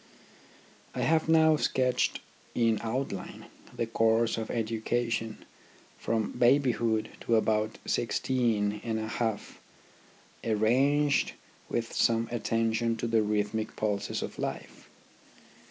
I have now sketched in outline the course of education from babyhood to about sixteen and a half, arranged with some attention to the rhythmic pulses of life.